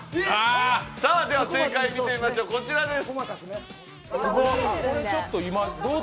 正解見ていきましょう、こちらです。